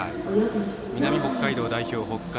南北海道代表、北海